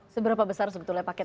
seberapa besar sebetulnya paket